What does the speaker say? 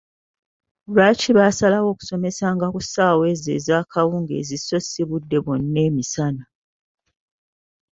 Lwaki baasalawo okusomesanga ku ssaawa ezo ezakawungeezi so si budde bwonna emisana?